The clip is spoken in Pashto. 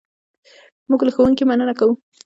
موږ له ښوونکي مننه کوو.